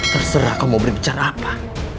terserah kamu mau berbicara apa